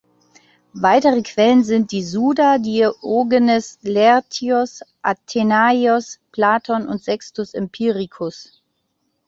Weitere Quellen sind die Suda, Diogenes Laertios, Athenaios, Platon und Sextus Empiricus.